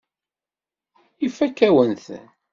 Ifakk-awen-ten.